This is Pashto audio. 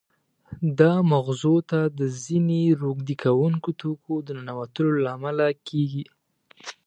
دا مغزو ته د ځینې روږدې کوونکو توکو د ننوتلو له امله کېږي.